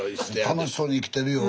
楽しそうに生きてるよ。